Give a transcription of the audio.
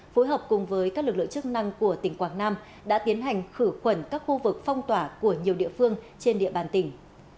phối hợp cùng với các lực lượng chức năng của tỉnh quảng nam đã tiến hành khử khuẩn các khu vực phong tỏa của nhiều địa phương trên địa bàn tỉnh